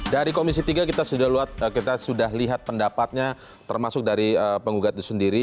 dari komisi tiga kita sudah lihat pendapatnya termasuk dari penggugat itu sendiri